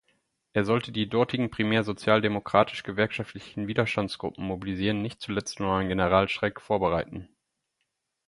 Er sollte die dortigen primär sozialdemokratisch-gewerkschaftlichen Widerstandsgruppen mobilisieren, nicht zuletzt um einen Generalstreik vorbereiten.